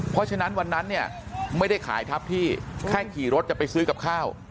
เพราะฉะนั้นวันนั้นเนี่ยไม่ได้ขายทับที่แค่ขี่รถจะไปซื้อกับข้าว